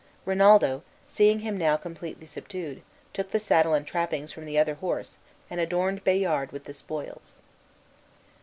Rinaldo, seeing him now completely subdued, took the saddle and trappings from the other horse, and adorned Bayard with the spoils.